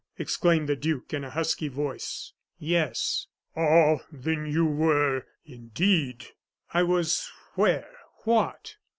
exclaimed the duke, in a husky voice. "Yes." "Ah! then you were, indeed " "I was where? what?"